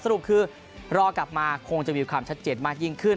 สรุปคือรอกลับมาคงจะมีความชัดเจนมากยิ่งขึ้น